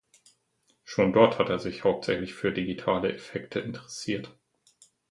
Schon dort hat er sich hauptsächlich für digitale Effekte interessiert.